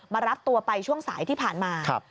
รับตัวไปช่วงสายที่ผ่านมา